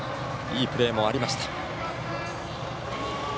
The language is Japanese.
いいプレーもありました。